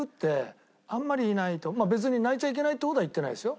別に泣いちゃいけないって事は言ってないですよ。